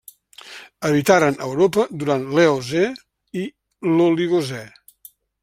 Habitaren Europa durant l'Eocè i l'Oligocè.